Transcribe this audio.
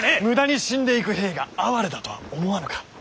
無駄に死んでいく兵が哀れだとは思わぬか。